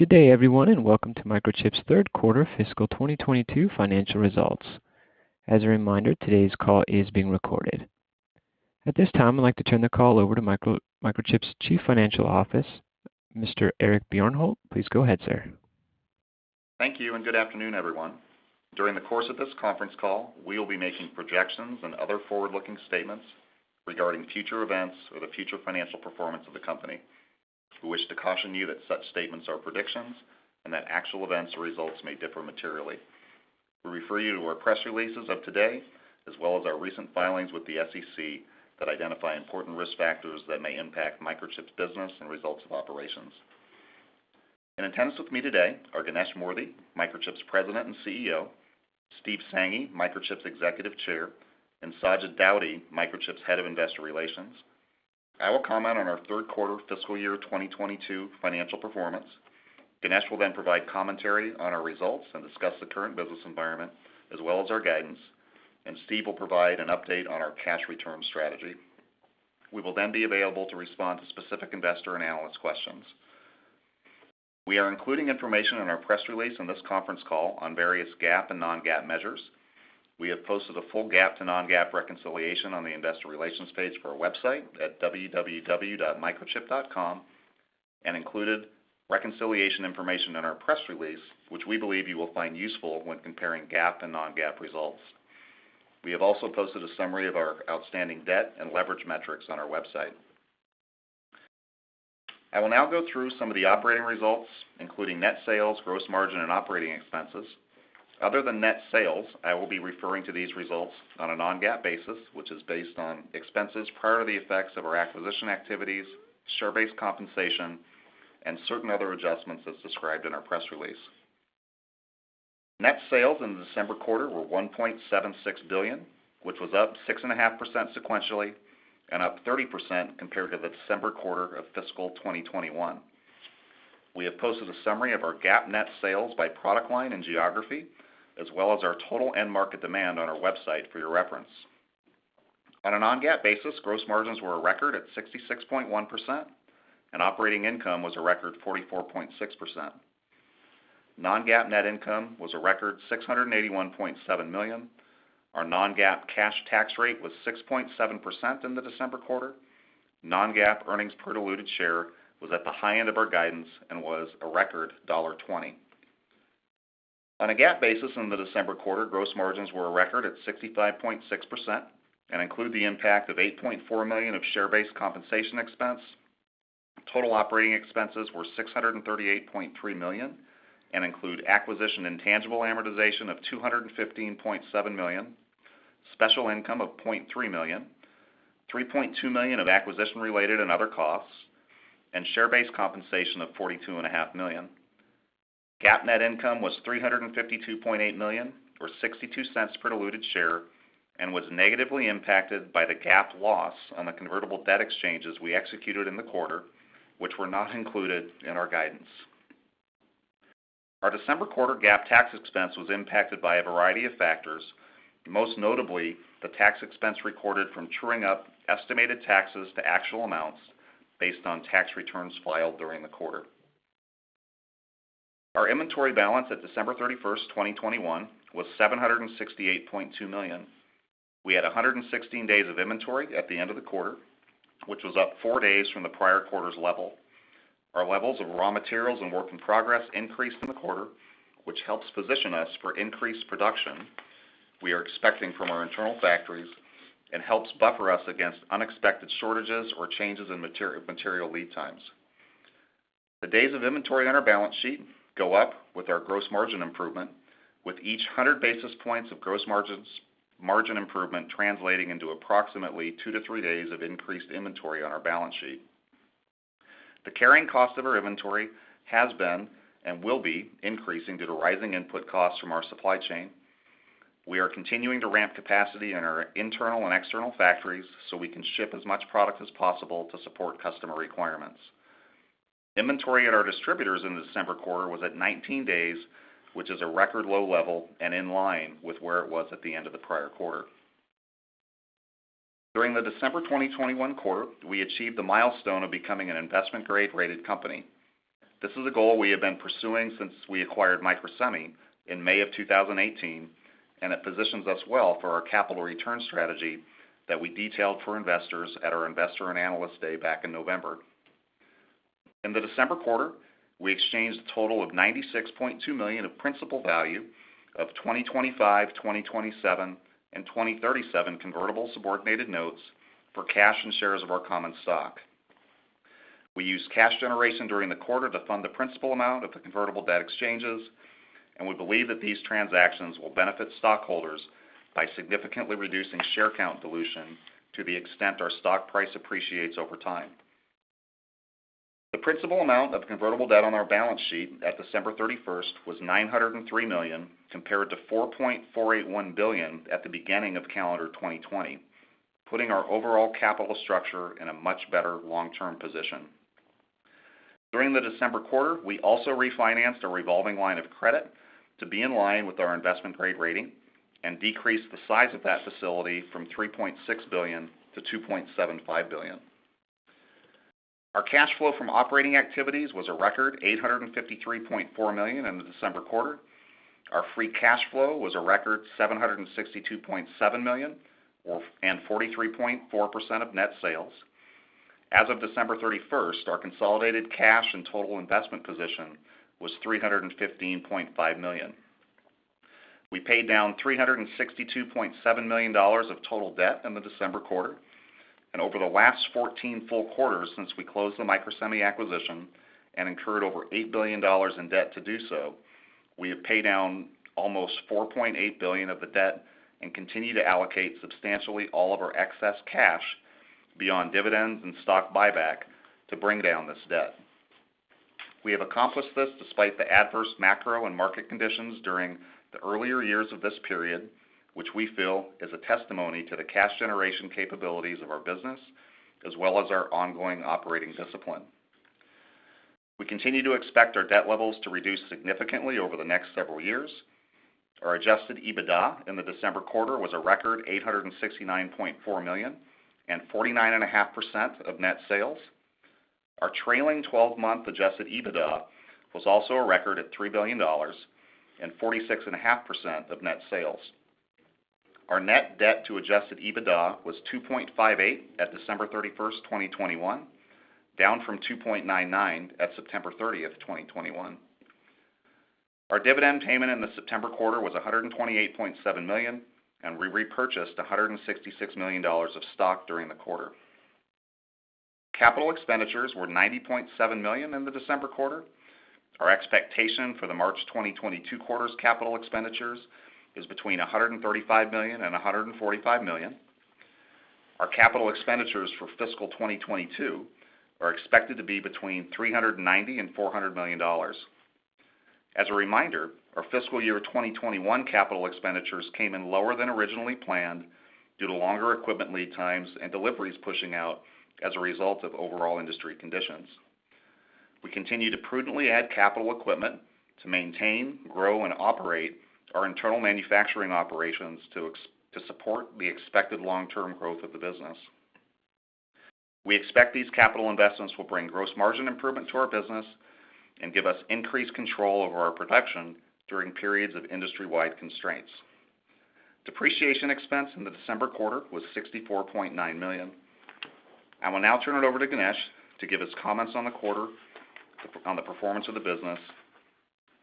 Good day, everyone, and welcome to Microchip's Q3 fiscal 2022 financial results. As a reminder, today's call is being recorded. At this time, I'd like to turn the call over to Microchip's Chief Financial Officer, Mr. Eric Bjornholt. Please go ahead, sir. Thank you and good afternoon, everyone. During the course of this conference call, we will be making projections and other forward-looking statements regarding future events or the future financial performance of the company. We wish to caution you that such statements are predictions and that actual events or results may differ materially. We refer you to our press releases of today, as well as our recent filings with the SEC that identify important risk factors that may impact Microchip's business and results of operations. In attendance with me today are Ganesh Moorthy, Microchip's President and CEO, Steve Sanghi, Microchip's Executive Chair, and Sajid Daud, Microchip's Head of Investor Relations. I will comment on our Q3 fiscal year 2022 financial performance. Ganesh will then provide commentary on our results and discuss the current business environment as well as our guidance, and Steve will provide an update on our cash return strategy. We will then be available to respond to specific investor and analyst questions. We are including information in our press release on this conference call on various GAAP and non-GAAP measures. We have posted a full GAAP to non-GAAP reconciliation on the investor relations page for our website at www.microchip.com and included reconciliation information in our press release, which we believe you will find useful when comparing GAAP and non-GAAP results. We have also posted a summary of our outstanding debt and leverage metrics on our website. I will now go through some of the operating results, including net sales, gross margin, and operating expenses. Other than net sales, I will be referring to these results on a non-GAAP basis, which is based on expenses prior to the effects of our acquisition activities, share-based compensation, and certain other adjustments as described in our press release. Net sales in the December quarter were $1.76 billion, which was up 6.5% sequentially and up 30% compared to the December quarter of fiscal 2021. We have posted a summary of our GAAP net sales by product line and geography, as well as our total end market demand on our website for your reference. On a non-GAAP basis, gross margins were a record at 66.1%, and operating income was a record 44.6%. Non-GAAP net income was a record $681.7 million. Our non-GAAP cash tax rate was 6.7% in the December quarter. Non-GAAP earnings per diluted share was at the high end of our guidance and was a record $20. On a GAAP basis in the December quarter, gross margins were a record at 65.6% and include the impact of $8.4 million of share-based compensation expense. Total operating expenses were $638.3 million and include acquisition intangible amortization of $215.7 million, special income of $0.3 million, $3.2 million of acquisition-related and other costs, and share-based compensation of $42.5 million. GAAP net income was $352.8 million, or $0.62 per diluted share, and was negatively impacted by the GAAP loss on the convertible debt exchanges we executed in the quarter, which were not included in our guidance. Our December quarter GAAP tax expense was impacted by a variety of factors, most notably the tax expense recorded from truing up estimated taxes to actual amounts based on tax returns filed during the quarter. Our inventory balance at December 31, 2021 was $768.2 million. We had 116 days of inventory at the end of the quarter, which was up 4 days from the prior quarter's level. Our levels of raw materials and work in progress increased in the quarter, which helps position us for increased production we are expecting from our internal factories and helps buffer us against unexpected shortages or changes in material lead times. The days of inventory on our balance sheet go up with our gross margin improvement, with each 100 basis points of gross margin improvement translating into approximately two to three days of increased inventory on our balance sheet. The carrying cost of our inventory has been and will be increasing due to rising input costs from our supply chain. We are continuing to ramp capacity in our internal and external factories so we can ship as much product as possible to support customer requirements. Inventory at our distributors in the December quarter was at 19 days, which is a record low level and in line with where it was at the end of the prior quarter. During the December 2021 quarter, we achieved the milestone of becoming an investment grade rated company. This is a goal we have been pursuing since we acquired Microsemi in May of 2018, and it positions us well for our capital return strategy that we detailed for investors at our Investor and Analyst Day back in November. In the December quarter, we exchanged a total of $96.2 million of principal value of 2025, 2027, and 2037 convertible subordinated notes for cash and shares of our common stock. We used cash generation during the quarter to fund the principal amount of the convertible debt exchanges, and we believe that these transactions will benefit stockholders by significantly reducing share count dilution to the extent our stock price appreciates over time. The principal amount of convertible debt on our balance sheet at December 31st was $903 million, compared to $4.481 billion at the beginning of calendar 2020, putting our overall capital structure in a much better long-term position. During the December quarter, we also refinanced a revolving line of credit to be in line with our investment-grade rating and decrease the size of that facility from $3.6 billion to $2.75 billion. Our cash flow from operating activities was a record $853.4 million in the December quarter. Our free cash flow was a record $762.7 million, 43.4% of net sales. As of December 31st, our consolidated cash and total investment position was $315.5 million. We paid down $362.7 million of total debt in the December quarter. Over the last 14 full quarters since we closed the Microsemi acquisition and incurred over $8 billion in debt to do so, we have paid down almost $4.8 billion of the debt and continue to allocate substantially all of our excess cash beyond dividends and stock buyback to bring down this debt. We have accomplished this despite the adverse macro and market conditions during the earlier years of this period, which we feel is a testimony to the cash generation capabilities of our business as well as our ongoing operating discipline. We continue to expect our debt levels to reduce significantly over the next several years. Our adjusted EBITDA in the December quarter was a record $869.4 million and 49.5% of net sales. Our trailing twelve-month adjusted EBITDA was also a record at $3 billion and 46.5% of net sales. Our net debt to adjusted EBITDA was 2.58 at December 31st, 2021, down from 2.99 at September 30th, 2021. Our dividend payment in the September quarter was $128.7 million, and we repurchased $166 million of stock during the quarter. Capital expenditures were $90.7 million in the December quarter. Our expectation for the March 2022 quarter's capital expenditures is between $135 million and $145 million. Our capital expenditures for fiscal 2022 are expected to be between $390 million and $400 million. As a reminder, our fiscal year 2021 capital expenditures came in lower than originally planned due to longer equipment lead times and deliveries pushing out as a result of overall industry conditions. We continue to prudently add capital equipment to maintain, grow, and operate our internal manufacturing operations to support the expected long-term growth of the business. We expect these capital investments will bring gross margin improvement to our business and give us increased control over our production during periods of industry-wide constraints. Depreciation expense in the December quarter was $64.9 million. I will now turn it over to Ganesh to give his comments on the quarter, on the performance of the business,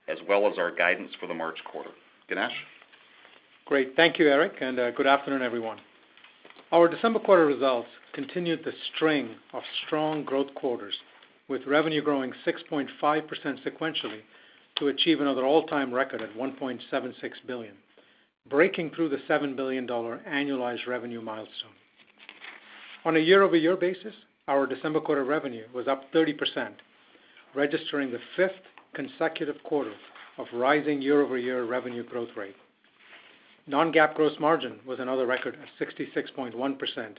as well as our guidance for the March quarter. Ganesh? Great. Thank you, Eric, and good afternoon, everyone. Our December quarter results continued the string of strong growth quarters, with revenue growing 6.5% sequentially to achieve another all-time record at $1.76 billion, breaking through the $7 billion annualized revenue milestone. On a year-over-year basis, our December quarter revenue was up 30%, registering the fifth consecutive quarter of rising year-over-year revenue growth rate. Non-GAAP gross margin was another record of 66.1%,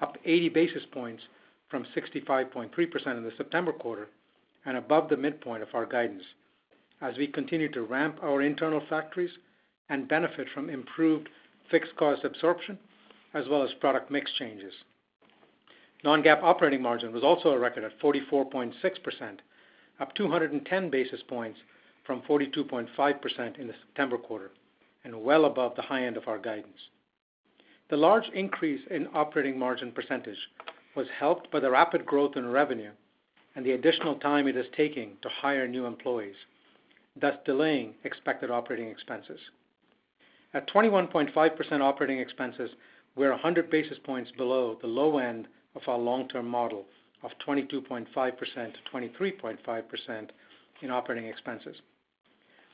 up 80 basis points from 65.3% in the September quarter and above the midpoint of our guidance as we continue to ramp our internal factories and benefit from improved fixed cost absorption as well as product mix changes. Non-GAAP operating margin was also a record at 44.6%, up 210 basis points from 42.5% in the September quarter and well above the high end of our guidance. The large increase in operating margin percentage was helped by the rapid growth in revenue and the additional time it is taking to hire new employees, thus delaying expected operating expenses. At 21.5% operating expenses, we're 100 basis points below the low end of our long-term model of 22.5%-23.5% in operating expenses.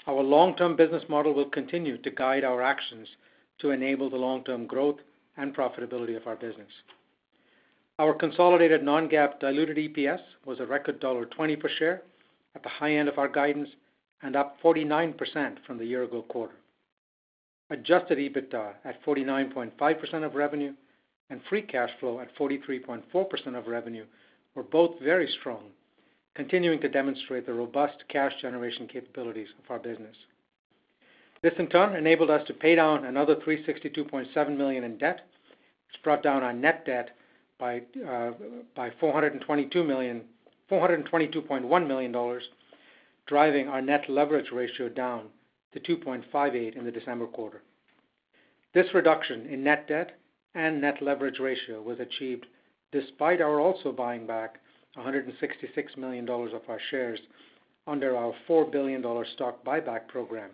Our long-term business model will continue to guide our actions to enable the long-term growth and profitability of our business. Our consolidated non-GAAP diluted EPS was a record $1.20 per share at the high end of our guidance and up 49% from the year ago quarter. Adjusted EBITDA at 49.5% of revenue and free cash flow at 43.4% of revenue were both very strong, continuing to demonstrate the robust cash generation capabilities of our business. This in turn enabled us to pay down another $362.7 million in debt, which brought down our net debt by $422.1 million, driving our net leverage ratio down to 2.58 in the December quarter. This reduction in net debt and net leverage ratio was achieved despite our also buying back $166 million of our shares under our $4 billion stock buyback program,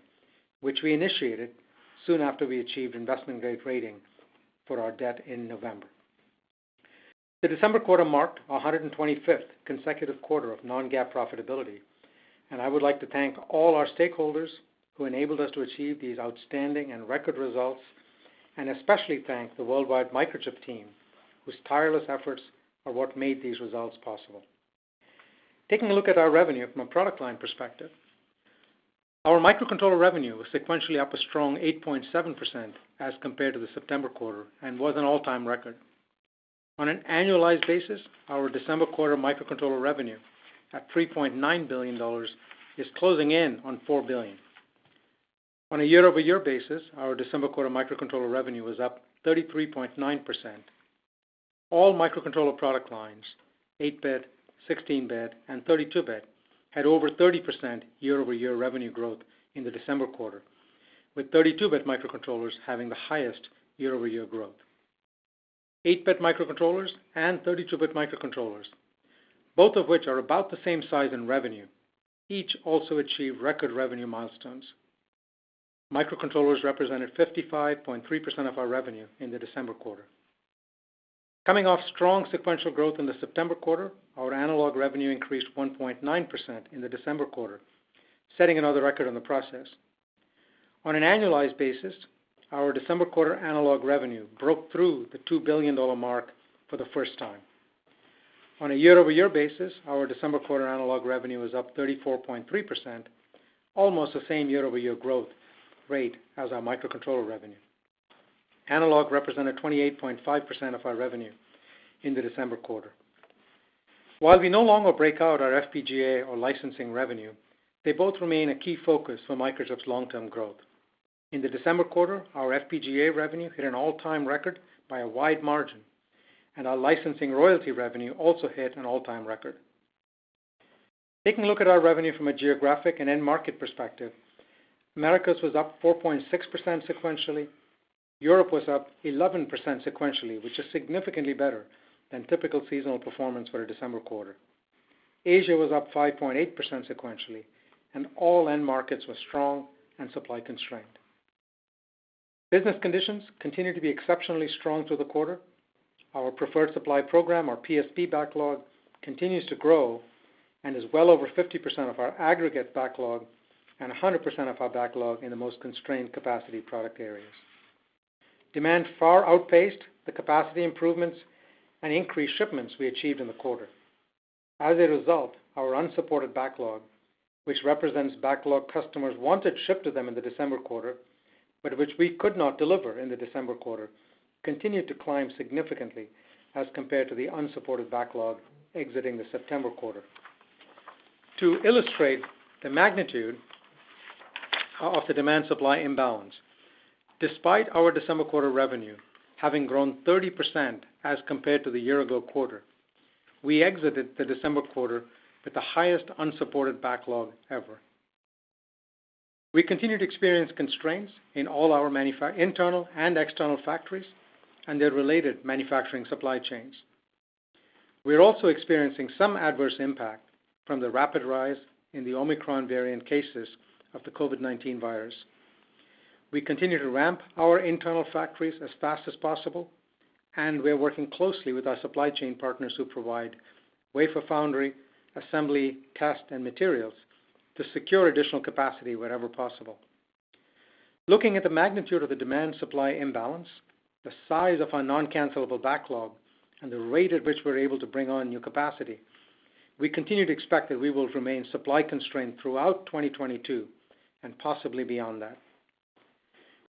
which we initiated soon after we achieved investment-grade rating for our debt in November. The December quarter marked our 125th consecutive quarter of non-GAAP profitability, and I would like to thank all our stakeholders who enabled us to achieve these outstanding and record results, and especially thank the worldwide Microchip team whose tireless efforts are what made these results possible. Taking a look at our revenue from a product line perspective, our microcontroller revenue was sequentially up a strong 8.7% as compared to the September quarter and was an all-time record. On an annualized basis, our December quarter microcontroller revenue at $3.9 billion is closing in on $4 billion. On a year-over-year basis, our December quarter microcontroller revenue was up 33.9%. All microcontroller product lines, 8-bit, 16-bit, and 32-bit, had over 30% year-over-year revenue growth in the December quarter, with 32-bit microcontrollers having the highest year-over-year growth. 8-bit microcontrollers and 32-bit microcontrollers, both of which are about the same size in revenue, each also achieved record revenue milestones. Microcontrollers represented 55.3% of our revenue in the December quarter. Coming off strong sequential growth in the September quarter, our analog revenue increased 1.9% in the December quarter, setting another record in the process. On an annualized basis, our December quarter analog revenue broke through the $2 billion mark for the first time. On a year-over-year basis, our December quarter analog revenue was up 34.3%, almost the same year-over-year growth rate as our microcontroller revenue. Analog represented 28.5% of our revenue in the December quarter. While we no longer break out our FPGA or licensing revenue, they both remain a key focus for Microchip's long-term growth. In the December quarter, our FPGA revenue hit an all-time record by a wide margin, and our licensing royalty revenue also hit an all-time record. Taking a look at our revenue from a geographic and end market perspective, Americas was up 4.6% sequentially. Europe was up 11% sequentially, which is significantly better than typical seasonal performance for a December quarter. Asia was up 5.8% sequentially, and all end markets were strong and supply constrained. Business conditions continued to be exceptionally strong through the quarter. Our preferred supply program, our PSP backlog, continues to grow and is well over 50% of our aggregate backlog and 100% of our backlog in the most constrained capacity product areas. Demand far outpaced the capacity improvements and increased shipments we achieved in the quarter. As a result, our unsupported backlog, which represents backlog customers wanted shipped to them in the December quarter, but which we could not deliver in the December quarter, continued to climb significantly as compared to the unsupported backlog exiting the September quarter. To illustrate the magnitude of the demand supply imbalance, despite our December quarter revenue having grown 30% as compared to the year ago quarter, we exited the December quarter with the highest unsupported backlog ever. We continued to experience constraints in all our internal and external factories and their related manufacturing supply chains. We are also experiencing some adverse impact from the rapid rise in the Omicron variant cases of the COVID-19 virus. We continue to ramp our internal factories as fast as possible, and we are working closely with our supply chain partners who provide wafer foundry, assembly, test, and materials to secure additional capacity wherever possible. Looking at the magnitude of the demand supply imbalance, the size of our non-cancelable backlog, and the rate at which we're able to bring on new capacity, we continue to expect that we will remain supply constrained throughout 2022 and possibly beyond that.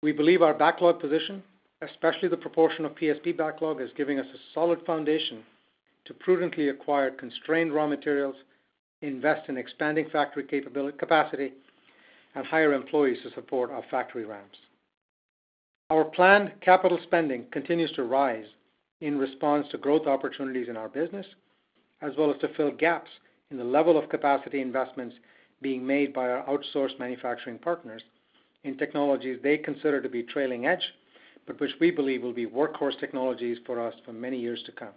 We believe our backlog position, especially the proportion of PSP backlog is giving us a solid foundation to prudently acquire constrained raw materials, invest in expanding factory capacity, and hire employees to support our factory ramps. Our planned capital spending continues to rise in response to growth opportunities in our business, as well as to fill gaps in the level of capacity investments being made by our outsourced manufacturing partners in technologies they consider to be trailing edge, but which we believe will be workhorse technologies for us for many years to come.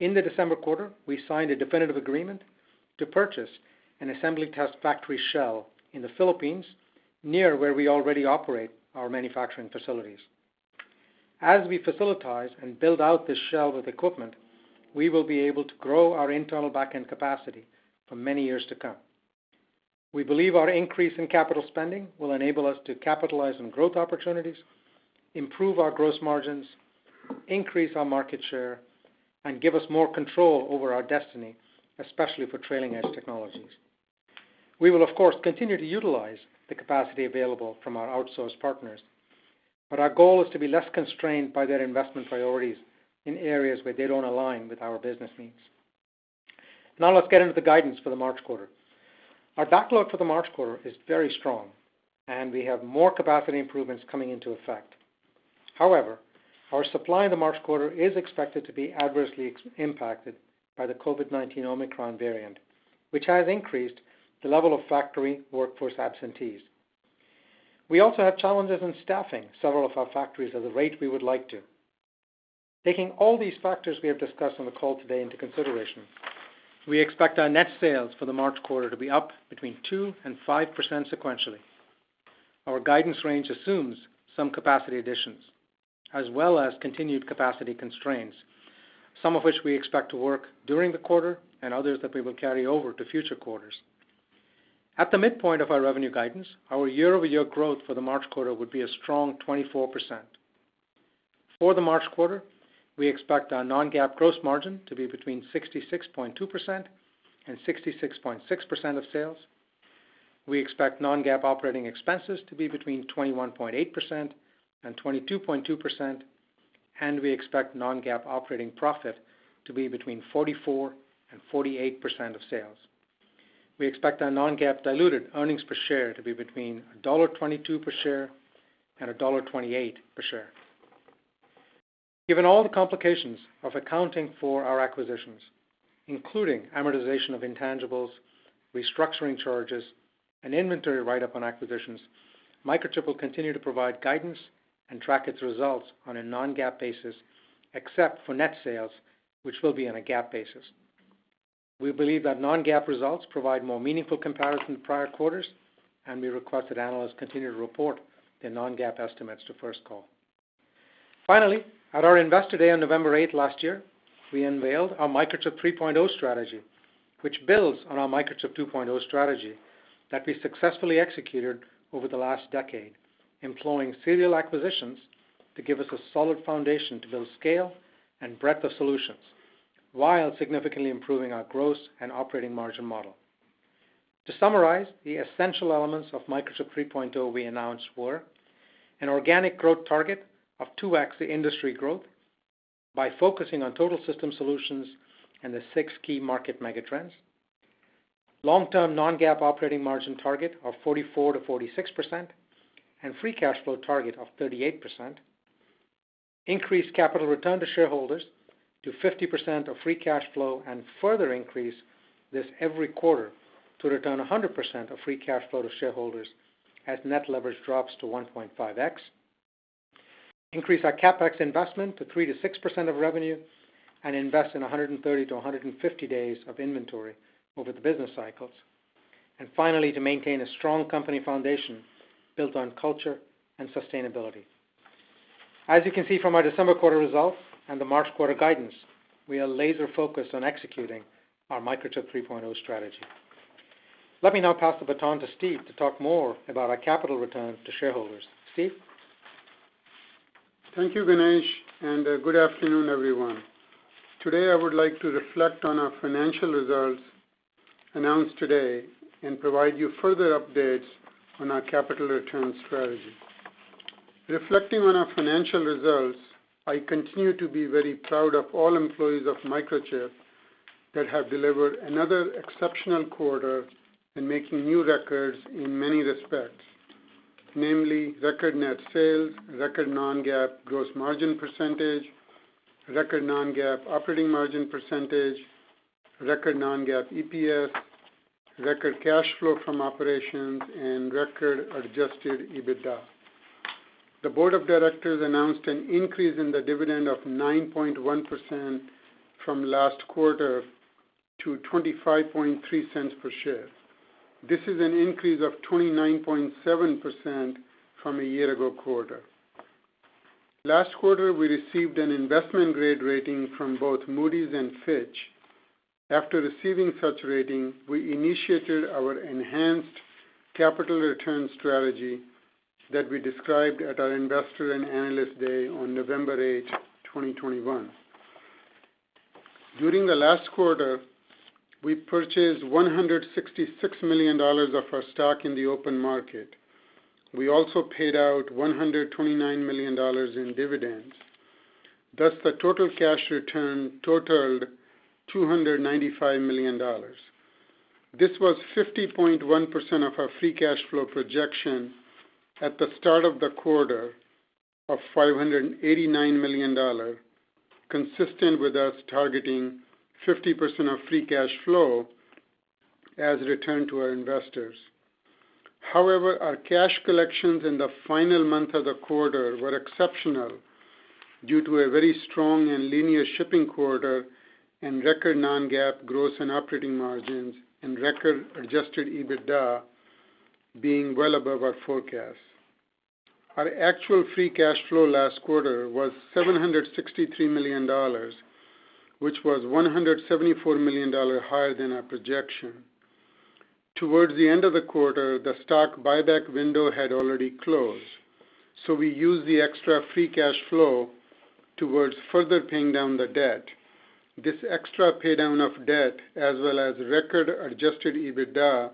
In the December quarter, we signed a definitive agreement to purchase an assembly test factory shell in the Philippines, near where we already operate our manufacturing facilities. As we facilitize and build out this shell with equipment, we will be able to grow our internal back-end capacity for many years to come. We believe our increase in capital spending will enable us to capitalize on growth opportunities, improve our gross margins, increase our market share, and give us more control over our destiny, especially for trailing edge technologies. We will of course continue to utilize the capacity available from our outsourced partners, but our goal is to be less constrained by their investment priorities in areas where they don't align with our business needs. Now let's get into the guidance for the March quarter. Our backlog for the March quarter is very strong, and we have more capacity improvements coming into effect. However, our supply in the March quarter is expected to be adversely impacted by the COVID-19 Omicron variant, which has increased the level of factory workforce absenteeism. We also have challenges in staffing several of our factories at the rate we would like to. Taking all these factors we have discussed on the call today into consideration, we expect our net sales for the March quarter to be up between 2% and 5% sequentially. Our guidance range assumes some capacity additions, as well as continued capacity constraints, some of which we expect to work during the quarter and others that we will carry over to future quarters. At the midpoint of our revenue guidance, our year-over-year growth for the March quarter would be a strong 24%. For the March quarter, we expect our non-GAAP gross margin to be between 66.2% and 66.6% of sales. We expect non-GAAP operating expenses to be between 21.8% and 22.2%, and we expect non-GAAP operating profit to be between 44% and 48% of sales. We expect our non-GAAP diluted earnings per share to be between $1.22 per share and $1.28 per share. Given all the complications of accounting for our acquisitions, including amortization of intangibles, restructuring charges, and inventory write-up on acquisitions, Microchip will continue to provide guidance and track its results on a non-GAAP basis, except for net sales, which will be on a GAAP basis. We believe that non-GAAP results provide more meaningful comparison to prior quarters, and we request that analysts continue to report their non-GAAP estimates to First Call. Finally, at our Investor Day on November eighth last year, we unveiled our Microchip 3.0 strategy, which builds on our Microchip 2.0 strategy that we successfully executed over the last decade, employing serial acquisitions to give us a solid foundation to build scale and breadth of solutions while significantly improving our gross and operating margin model. To summarize, the essential elements of Microchip 3.0 we announced were an organic growth target of 2x the industry growth by focusing on total system solutions and the six key market megatrends. Long-term non-GAAP operating margin target of 44%-46% and free cash flow target of 38%. Increase capital return to shareholders to 50% of free cash flow and further increase this every quarter to return 100% of free cash flow to shareholders as net leverage drops to 1.5x. Increase our CapEx investment to 3%-6% of revenue and invest in 130-150 days of inventory over the business cycles. Finally, to maintain a strong company foundation built on culture and sustainability. As you can see from our December quarter results and the March quarter guidance, we are laser-focused on executing our Microchip 3.0 strategy. Let me now pass the baton to Steve to talk more about our capital return to shareholders. Steve? Thank you, Ganesh, and good afternoon, everyone. Today, I would like to reflect on our financial results announced today and provide you further updates on our capital return strategy. Reflecting on our financial results, I continue to be very proud of all employees of Microchip that have delivered another exceptional quarter in making new records in many respects. Namely, record net sales, record non-GAAP gross margin percentage, record non-GAAP operating margin percentage, record non-GAAP EPS, record cash flow from operations, and record adjusted EBITDA. The board of directors announced an increase in the dividend of 9.1% from last quarter to $0.253 per share. This is an increase of 29.7% from a year ago quarter. Last quarter, we received an investment-grade rating from both Moody's and Fitch. After receiving such rating, we initiated our enhanced capital return strategy that we described at our Investor and Analyst Day on November 8th, 2021. During the last quarter, we purchased $166 million of our stock in the open market. We also paid out $129 million in dividends. Thus, the total cash return totaled $295 million. This was 50.1% of our free cash flow projection at the start of the quarter of $589 million, consistent with us targeting 50% of free cash flow as return to our investors. However, our cash collections in the final month of the quarter were exceptional due to a very strong and linear shipping quarter and record non-GAAP growth and operating margins and record adjusted EBITDA being well above our forecast. Our actual free cash flow last quarter was $763 million, which was $174 million higher than our projection. Towards the end of the quarter, the stock buyback window had already closed, so we used the extra free cash flow towards further paying down the debt. This extra pay-down of debt, as well as record adjusted EBITDA,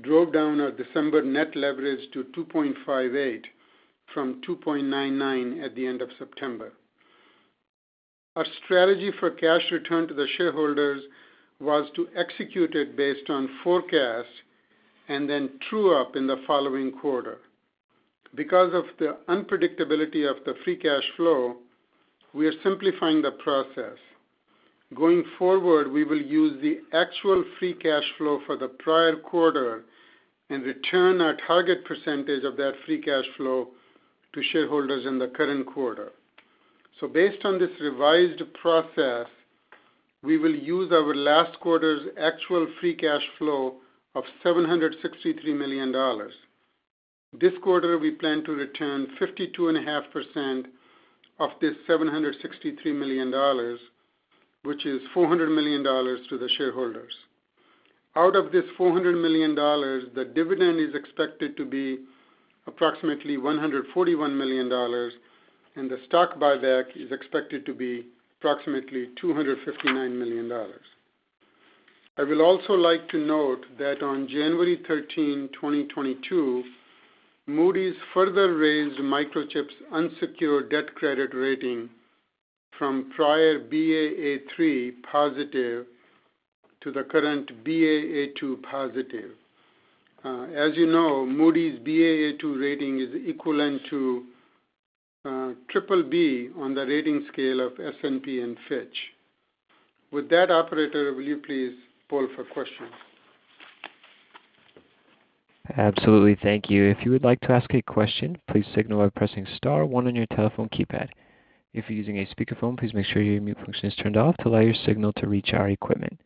drove down our December net leverage to 2.58 from 2.99 at the end of September. Our strategy for cash return to the shareholders was to execute it based on forecast and then true up in the following quarter because of the unpredictability of the free cash flow, we are simplifying the process. Going forward, we will use the actual free cash flow for the prior quarter and return our target percentage of that free cash flow to shareholders in the current quarter. Based on this revised process, we will use our last quarter's actual free cash flow of $763 million. This quarter, we plan to return 52.5% of this $763 million, which is $400 million, to the shareholders. Out of this $400 million, the dividend is expected to be approximately $141 million, and the stock buyback is expected to be approximately $259 million. I will also like to note that on January 13th, 2022, Moody's further raised Microchip's unsecured debt credit rating from prior Baa3 positive to the current Baa2 positive. As Moody's Baa2 rating is equivalent to BBB on the rating scale of S&P and Fitch. With that, operator, will you please poll for questions? Absolutely. Thank you. If you would like to ask a question, please signal by pressing star one on your telephone keypad. If you're using a speakerphone, please make sure your mute function is turned off to allow your signal to reach our equipment.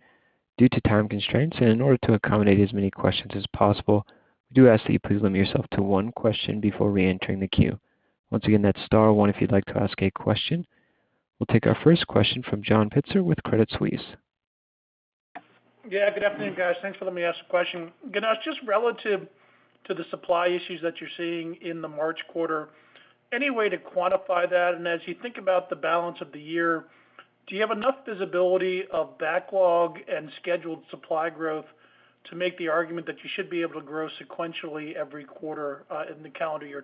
Due to time constraints and in order to accommodate as many questions as possible, we do ask that you please limit yourself to one question before reentering the queue. Once again, that's star one if you'd like to ask a question. We'll take our first question from John Pitzer with Credit Suisse. Yes, good afternoon, guys. Thanks for letting me ask a question. Ganesh, just relative to the supply issues that you're seeing in the March quarter, any way to quantify that? As you think about the balance of the year, do you have enough visibility of backlog and scheduled supply growth to make the argument that you should be able to grow sequentially every quarter in the calendar year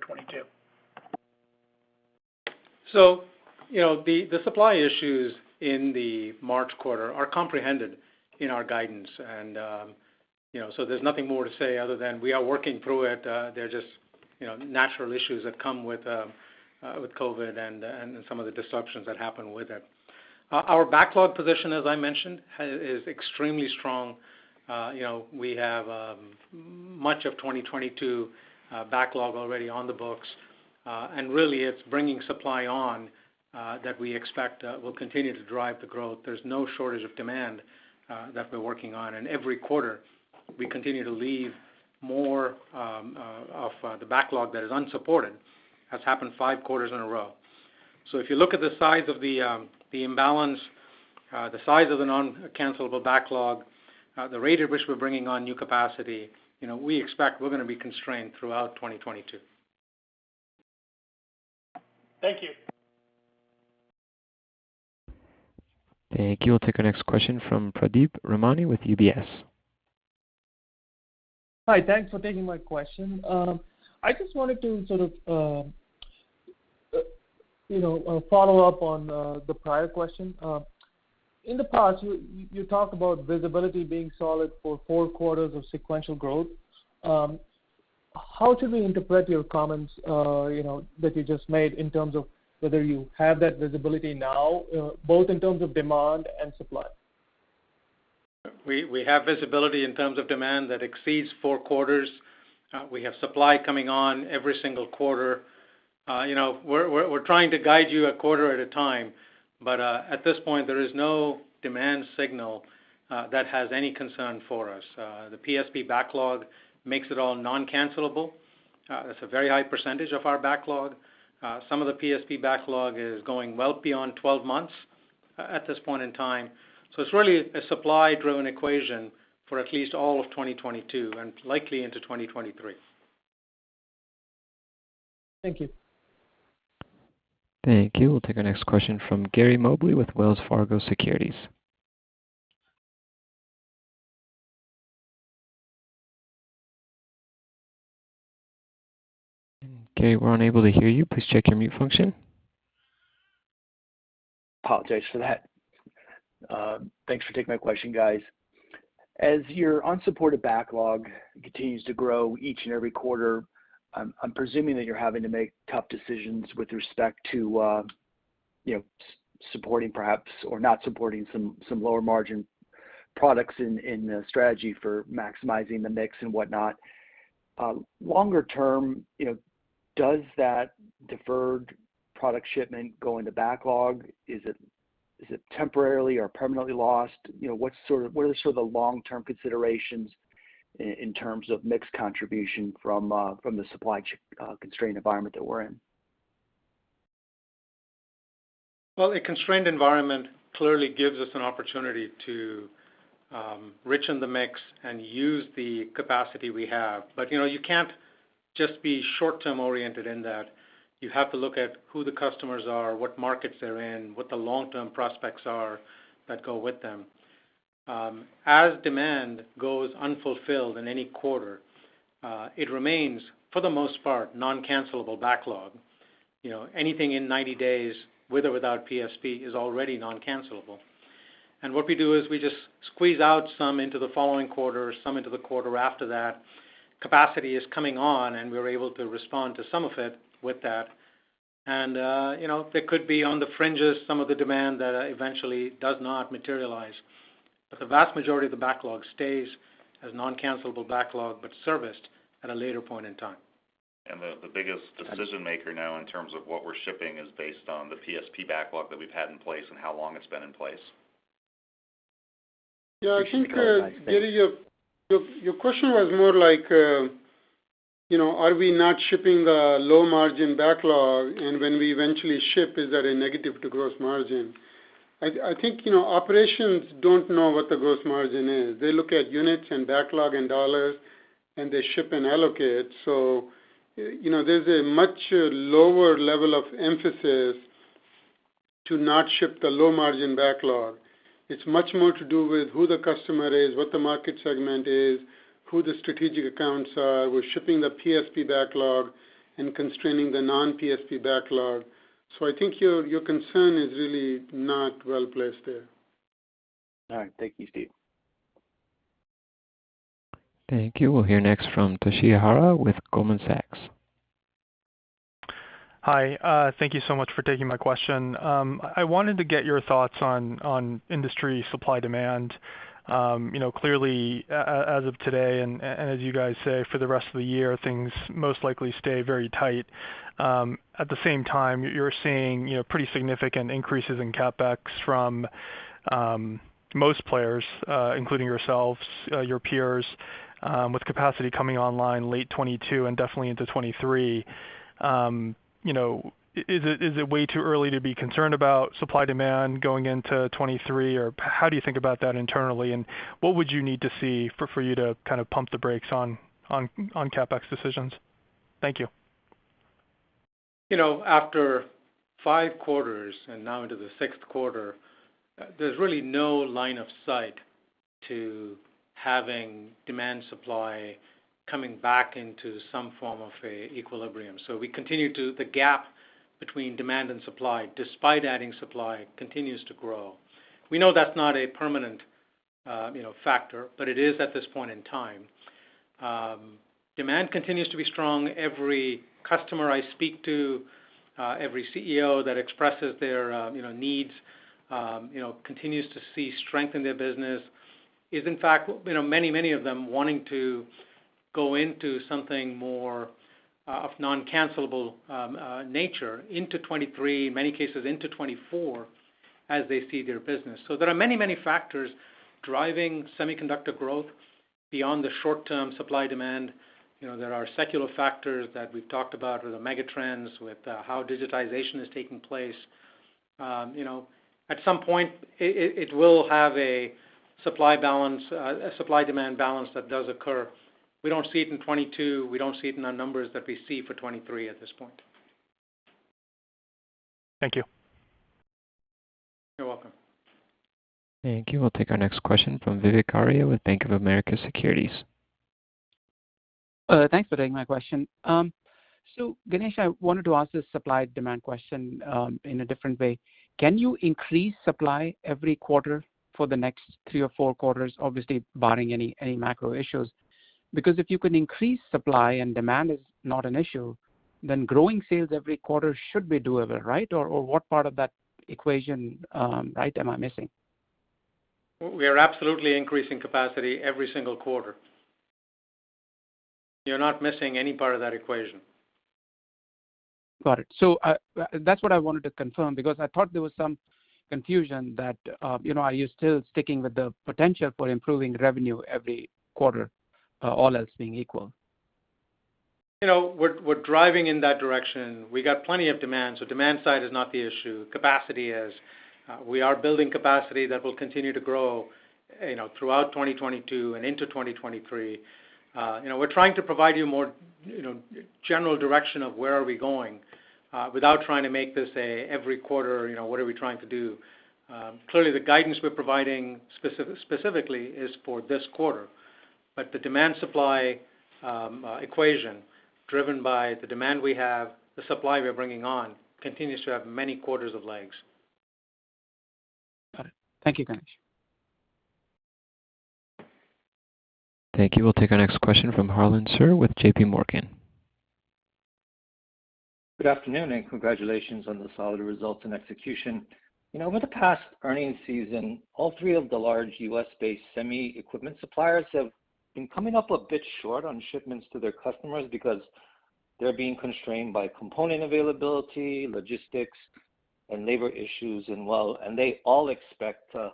2022? The supply issues in the March quarter are comprehended in our guidance. There's nothing more to say other than we are working through it. They're just natural issues that come with COVID and some of the disruptions that happen with it. Our backlog position, as I mentioned, is extremely strong. We have much of 2022 backlog already on the books. Really it's bringing supply on that we expect will continue to drive the growth. There's no shortage of demand that we're working on. Every quarter, we continue to leave more of the backlog that is unsupported has happened five quarters in a row. If you look at the size of the imbalance, the size of the non-cancelable backlog, the rate at which we're bringing on new capacity, we expect we're going to be constrained throughout 2022. Thank you. Thank you. We'll take our next question from Pradeep Ramani with UBS. Hi, thanks for taking my question. I just wanted to follow up on the prior question. In the past, you talked about visibility being solid for four quarters of sequential growth. How should we interpret your comments, that you just made in terms of whether you have that visibility now, both in terms of demand and supply? We have visibility in terms of demand that exceeds four quarters. We have supply coming on every single quarter. we're trying to guide you a quarter at a time, but at this point, there is no demand signal that has any concern for us. The PSP backlog makes it all non-cancelable. That's a very high percentage of our backlog. Some of the PSP backlog is going well beyond 12 months at this point in time. It's really a supply-driven equation for at least all of 2022 and likely into 2023. Thank you. Thank you. We'll take our next question from Gary Mobley with Wells Fargo Securities. Gary, we're unable to hear you. Please check your mute function. Apologize for that. Thanks for taking my question, guys. As your unshipped backlog continues to grow each and every quarter, I'm presuming that you're having to make tough decisions with respect to supporting perhaps or not supporting some lower margin products in the strategy for maximizing the mix and whatnot. Longer term, does that deferred product shipment go into backlog? Is it temporarily or permanently lost? What are the long-term considerations in terms of mix contribution from the supply constraint environment that we're in? Well, a constrained environment clearly gives us an opportunity to richen the mix and use the capacity we have. You can't just be short-term oriented in that. You have to look at who the customers are, what markets they're in, what the long-term prospects are that go with them. As demand goes unfulfilled in any quarter, it remains, for the most part, non-cancelable backlog. Anything in 90 days with or without PSP is already non-cancelable. What we do is we just squeeze out some into the following quarter, some into the quarter after that. Capacity is coming on, and we're able to respond to some of it with that. There could be on the fringes some of the demand that eventually does not materialize. The vast majority of the backlog stays as non-cancellable backlog, but serviced at a later point in time. The biggest decision maker now in terms of what we're shipping is based on the PSP backlog that we've had in place and how long it's been in place. I think, Gary, your question was more like, are we not shipping the low margin backlog, and when we eventually ship, is that a negative to gross margin? I think operations don't know what the gross margin is. They look at units and backlog and dollars, and they ship and allocate. There's a much lower level of emphasis to not ship the low margin backlog. It's much more to do with who the customer is, what the market segment is, who the strategic accounts are. We're shipping the PSP backlog and constraining the non-PSP backlog. I think your concern is really not well-placed there. All right. Thank you, Steve. Thank you. We'll hear next from Toshiya Hari with Goldman Sachs. Hi, thank you so much for taking my question. I wanted to get your thoughts on industry supply demand. Clearly, as of today and as you guys say, for the rest of the year, things most likely stay very tight. At the same time, you're seeing pretty significant increases in CapEx from most players, including yourselves, your peers, with capacity coming online late 2022 and definitely into 2023. Is it way too early to be concerned about supply demand going into 2023, or how do you think about that internally, and what would you need to see for you to pump the brakes on CapEx decisions? Thank you. After five quarters and now into the sixth quarter, there's really no line of sight to having demand-supply coming back into some form of a equilibrium. The gap between demand and supply, despite adding supply, continues to grow. We know that's not a permanent factor, but it is at this point in time. Demand continues to be strong. Every customer I speak to every CEO that expresses their needs, continues to see strength in their business is in fact, many, many of them wanting to go into something more of non-cancelable nature into 2023, in many cases into 2024, as they see their business. There are many, many factors driving semiconductor growth beyond the short-term supply-demand. There are secular factors that we've talked about with the mega trends with how digitization is taking place. At some point, it will have a supply-demand balance that does occur. We don't see it in 2022. We don't see it in our numbers that we see for 2023 at this point. Thank you. You're welcome. Thank you. We'll take our next question from Vivek Arya with Bank of America Securities. Thanks for taking my question. Ganesh, I wanted to ask this supply-demand question in a different way. Can you increase supply every quarter for the next three or four quarters, obviously barring any macro issues? Because if you can increase supply and demand is not an issue, then growing sales every quarter should be doable, or what part of that equation am I missing? We are absolutely increasing capacity every single quarter. You're not missing any part of that equation. Got it. That's what I wanted to confirm because I thought there was some confusion that, are you still sticking with the potential for improving revenue every quarter, all else being equal? We're driving in that direction. We got plenty of demand, so demand side is not the issue, capacity is. We are building capacity that will continue to grow, throughout 2022 and into 2023. We're trying to provide you more, general direction of where are we going, without trying to make this an every quarter, what are we trying to do. Clearly the guidance we're providing specifically is for this quarter. The demand supply equation driven by the demand we have, the supply we're bringing on continues to have many quarters of legs. Got it. Thank you, Ganesh. Thank you. We'll take our next question from Harlan Sur with J.P. Morgan. Good afternoon and congratulations on the solid results and execution. Over the past earnings season, all three of the large U.S.-based semi equipment suppliers have been coming up a bit short on shipments to their customers because they're being constrained by component availability, logistics, and labor issues and well, and they all expect to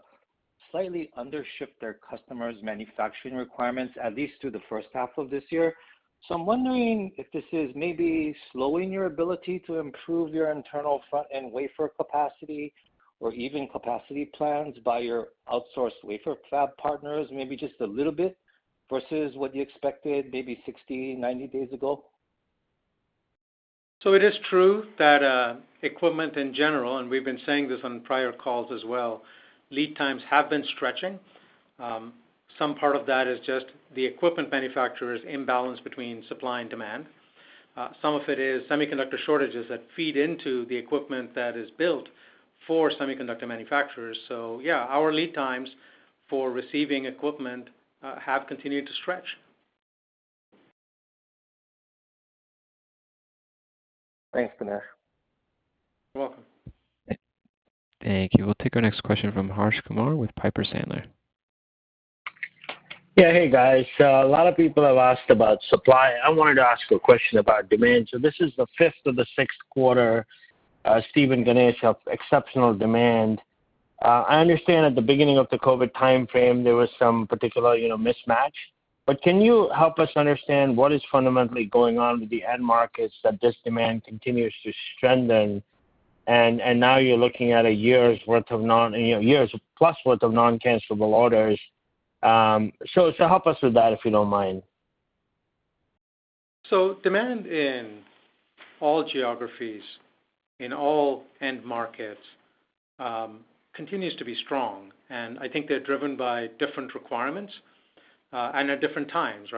slightly undership their customers' manufacturing requirements, at least through the first half of this year. I'm wondering if this is maybe slowing your ability to improve your internal front-end wafer capacity or even capacity plans by your outsourced wafer fab partners, maybe just a little bit versus what you expected maybe 60-90 days ago. It is true that equipment in general, and we've been saying this on prior calls as well, lead times have been stretching. Some part of that is just the equipment manufacturer's imbalance between supply and demand. Some of it is semiconductor shortages that feed into the equipment that is built for semiconductor manufacturers. Yes, our lead times for receiving equipment have continued to stretch. Thanks, Ganesh. You're welcome. Thank you. We'll take our next question from Harsh Kumar with Piper Sandler. Hey, guys. A lot of people have asked about supply. I wanted to ask a question about demand. This is the fifth of the sixth quarter, Steve and Ganesh, of exceptional demand. I understand at the beginning of the COVID-19 timeframe, there was some particular, mismatch, but can you help us understand what is fundamentally going on with the end markets that this demand continues to strengthen and now you're looking at a year's worth, years plus worth of non-cancelable orders? Help us with that, if you don't mind. Demand in all geographies, in all end markets, continues to be strong, and I think they're driven by different requirements, and at different times.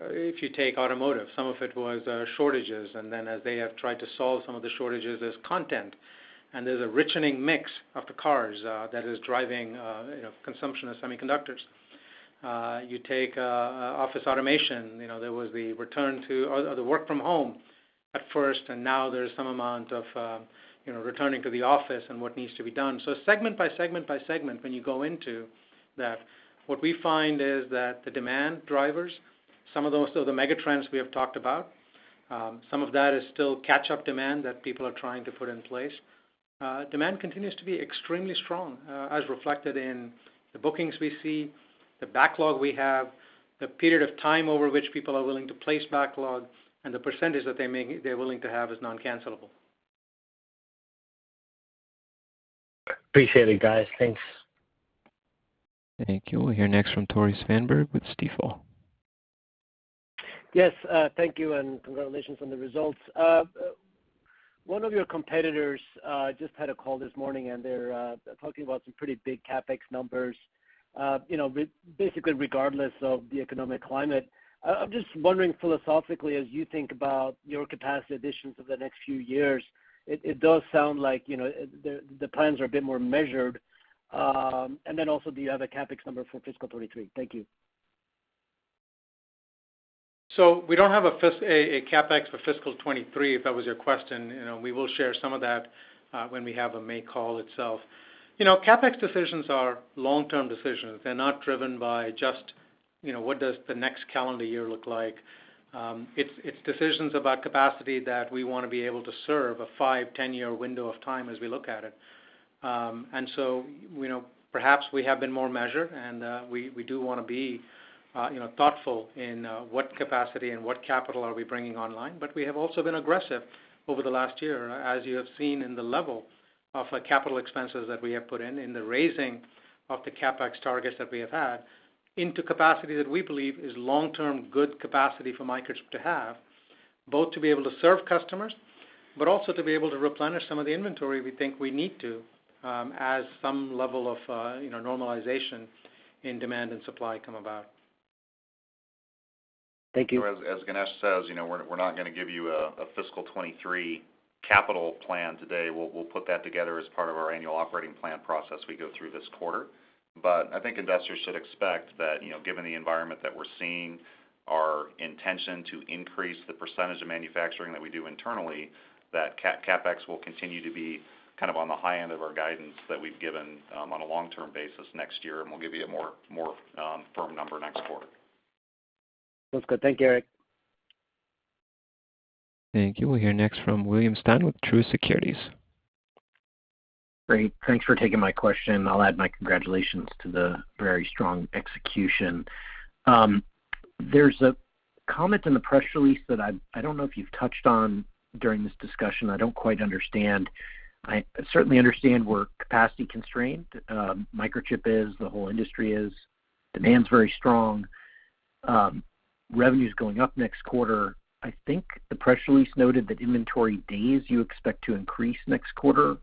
If you take automotive, some of it was shortages, and then as they have tried to solve some of the shortages, there's content, and there's a richening mix of the cars that is driving consumption of semiconductors. You take office automation, there was the return to the work from home at first, and now there's some amount of returning to the office and what needs to be done. Segment by segment, when you go into that, what we find is that the demand drivers, some of those are the mega trends we have talked about. Some of that is still catch-up demand that people are trying to put in place. Demand continues to be extremely strong, as reflected in the bookings we see, the backlog we have, the period of time over which people are willing to place backlog, and the percentage that they're willing to have as non-cancelable. Appreciate it, guys. Thanks. Thank you. We'll hear next from Tore Svanberg with Stifel. Thank you, and congratulations on the results. One of your competitors just had a call this morning, and they're talking about some pretty big CapEx numbers, basically regardless of the economic climate. I'm just wondering philosophically, as you think about your capacity additions over the next few years, it does sound like, the plans are a bit more measured. Then also, do you have a CapEx number for fiscal 2023? Thank you. We don't have a CapEx for fiscal 2023, if that was your question. We will share some of that when we have a May call itself. CapEx decisions are long-term decisions. They're not driven by just, what does the next calendar year look like. It's decisions about capacity that we want to be able to serve a 5-10-year window of time as we look at it. Perhaps we have been more measured, and we do want to be, thoughtful in what capacity and what capital we are bringing online. We have also been aggressive over the last year, as you have seen in the level of capital expenses that we have put in the raising of the CapEx targets that we have had, into capacity that we believe is long-term good capacity for Microchip to have, both to be able to serve customers, but also to be able to replenish some of the inventory we think we need to, as some level of normalization in demand and supply come about. Thank you. As Ganesh says, we're not going to give you a fiscal 2023 capital plan today. We'll put that together as part of our annual operating plan process we go through this quarter. I think investors should expect that, given the environment that we're seeing, our intention to increase the percentage of manufacturing that we do internally, that CapEx will continue to be on the high end of our guidance that we've given on a long-term basis next year, and we'll give you a more firm number next quarter. Sounds good. Thank you, Eric. Thank you. We'll hear next from William Stein with Truist Securities. Great. Thanks for taking my question. I'll add my congratulations to the very strong execution. There's a comment in the press release that I don't know if you've touched on during this discussion. I don't quite understand. I certainly understand we're capacity constrained. Microchip is, the whole industry is. Demand's very strong. Revenue's going up next quarter. I think the press release noted that inventory days you expect to increase next quarter.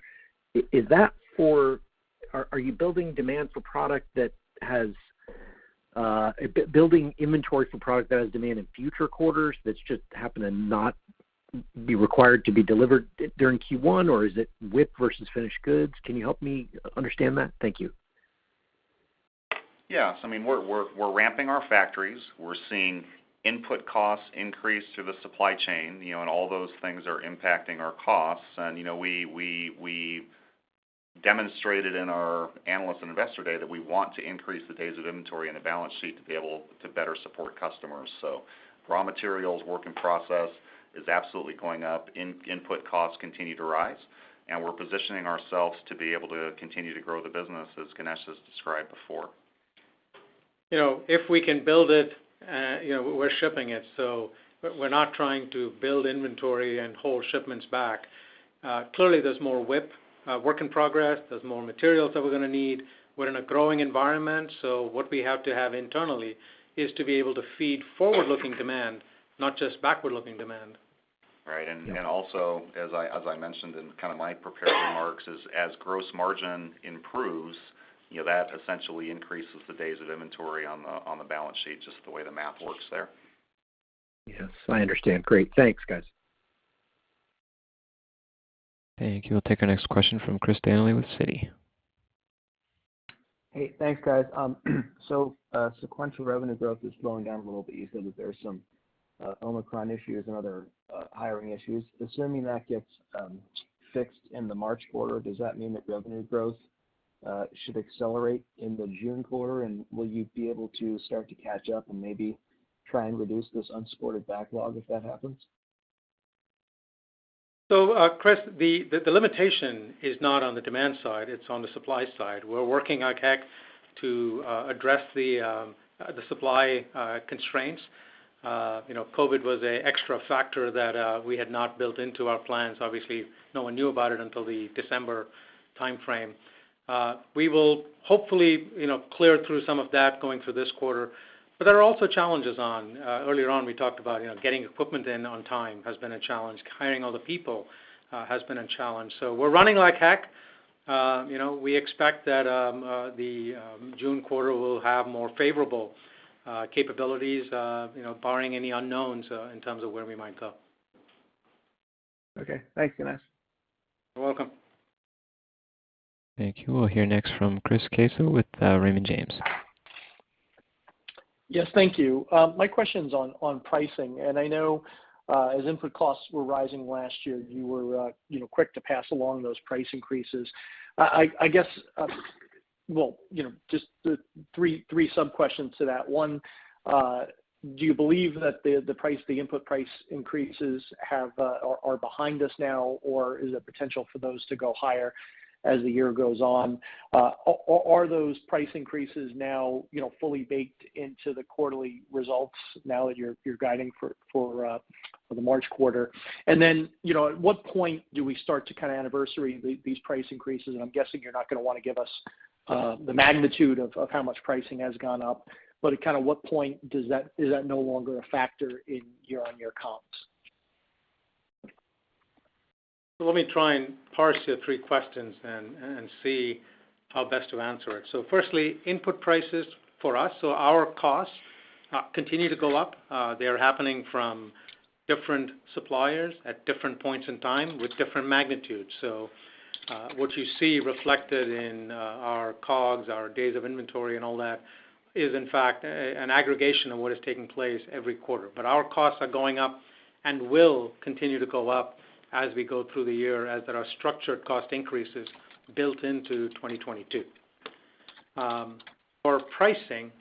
Are you building inventory for product that has demand in future quarters that just happen to not be required to be delivered during Q1, or is it WIP versus finished goods? Can you help me understand that? Thank you. Yes. We're ramping our factories. We're seeing input costs increase through the supply chain, and all those things are impacting our costs. We demonstrated in our analyst and investor day that we want to increase the days of inventory in the balance sheet to be able to better support customers. Raw materials, work in process is absolutely going up. Input costs continue to rise, and we're positioning ourselves to be able to continue to grow the business, as Ganesh has described before. If we can build it, we're shipping it. We're not trying to build inventory and hold shipments back. Clearly there's more WIP, work in progress. There's more materials that we're going to need. We're in a growing environment, so what we have to have internally is to be able to feed forward-looking demand, not just backward-looking demand. Right. Also, as I mentioned in my prepared remarks, as gross margin improves, that essentially increases the days of inventory on the balance sheet, just the way the math works there. Yes, I understand. Great. Thanks, guys. Thank you. We'll take our next question from Christopher Danely with Citi. Hey, thanks, guys. Sequential revenue growth is slowing down a little bit. You said that there's some Omicron issues and other hiring issues. Assuming that gets fixed in the March quarter, does that mean that revenue growth should accelerate in the June quarter? Will you be able to start to catch up and maybe try and reduce this unsupported backlog if that happens? Chris, the limitation is not on the demand side, it's on the supply side. We're working like heck to address the supply constraints. COVID was a extra factor that we had not built into our plans. Obviously, no one knew about it until the December timeframe. We will hopefully, clear through some of that going through this quarter. There are also challenges. Earlier on, we talked about getting equipment in on time has been a challenge. Hiring all the people has been a challenge. We're running like heck. We expect that the June quarter will have more favorable capabilities, barring any unknowns in terms of where we might go. Okay. Thanks, Ganesh. You're welcome. Thank you. We'll hear next from Chris Caso with Raymond James. Yes, thank you. My question's on pricing, and I know, as input costs were rising last year, you were quick to pass along those price increases. Well, just three sub-questions to that. One, do you believe that the input price increases are behind us now, or is there potential for those to go higher as the year goes on? Are those price increases now fully baked into the quarterly results now that you're guiding for the March quarter? Then, at what point do we start to anniversary these price increases? I'm guessing you're not going to want to give us the magnitude of how much pricing has gone up. At what point is that no longer a factor in year-on-year comps? Let me try and parse your three questions and see how best to answer it. Firstly, input prices for us. Our costs continue to go up. They are happening from different suppliers at different points in time with different magnitudes. What you see reflected in our COGS, our days of inventory and all that is in fact an aggregation of what is taking place every quarter. Our costs are going up and will continue to go up as we go through the year, as there are structured cost increases built into 2022. For pricing,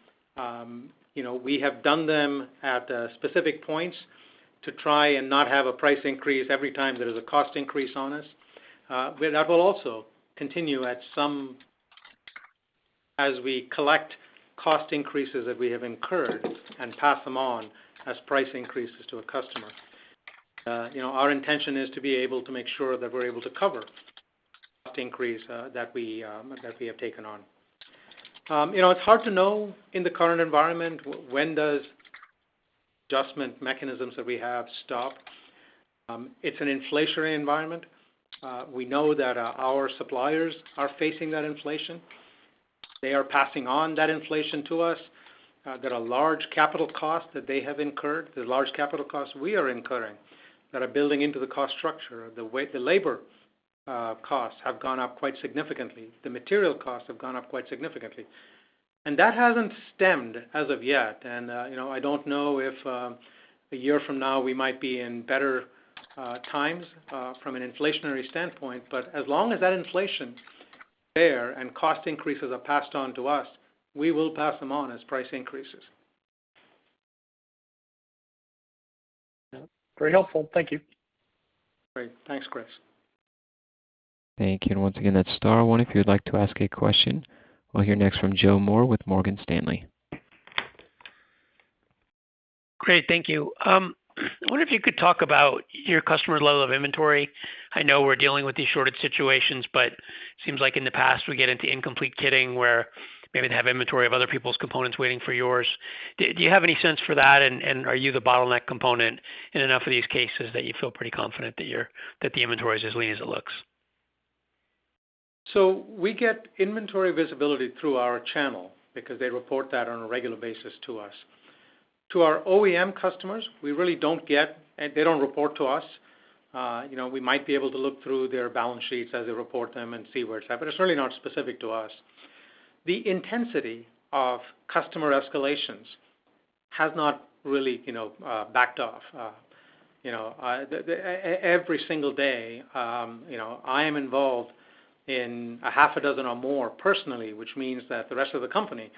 we have done them at specific points to try and not have a price increase every time there is a cost increase on us. That will also continue at some. As we collect cost increases that we have incurred and pass them on as price increases to a customer. Our intention is to be able to make sure that we're able to cover the increase that we have taken on. It's hard to know in the current environment when does adjustment mechanisms that we have stop. It's an inflationary environment. We know that our suppliers are facing that inflation. They are passing on that inflation to us, there are large capital costs that they have incurred. There are large capital costs we are incurring that are building into the cost structure. The labor costs have gone up quite significantly. The material costs have gone up quite significantly. That hasn't stemmed as of yet. I don't know if a year from now, we might be in better times from an inflationary standpoint, but as long as that inflation is there and cost increases are passed on to us, we will pass them on as price increases. Yes. Very helpful. Thank you. Great. Thanks, Chris. Thank you. Once again, that's star one if you'd like to ask a question. We'll hear next from Joseph Moore with Morgan Stanley. Great. Thank you. I wonder if you could talk about your customer level of inventory. I know we're dealing with these shortage situations, but seems like in the past, we get into incomplete kitting where we maybe have inventory of other people's components waiting for yours. Do you have any sense for that? Are you the bottleneck component in enough of these cases that you feel pretty confident that the inventory is as lean as it looks? We get inventory visibility through our channel because they report that on a regular basis to us. To our OEM customers, we really don't get inventory visibility. They don't report to us. We might be able to look through their balance sheets as they report them and see where it's at, but it's really not specific to us. The intensity of customer escalations has not really, backed off. Every single day, I am involved in 6 or more personally, which means that the rest of the company